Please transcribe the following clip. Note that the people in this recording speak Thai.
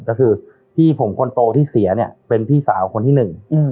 ก็คือพี่ผมคนโตที่เสียเนี่ยเป็นพี่สาวคนที่หนึ่ง